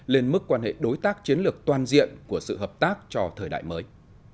lên mức quan hệ đối tác chiến lược toàn diện của sự hợp tác cho thời đại mới